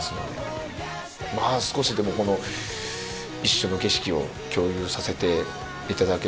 まあ少しでも一緒の景色を共有させていただけるわけですから。